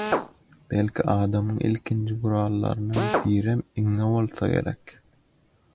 Belki, adamyň ilkinji gurallarynyň birem iňňe bolsa gerek